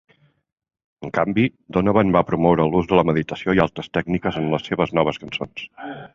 En canvi, Donovan va promoure l'ús de la meditació i altres tècniques, en les seves noves cançons.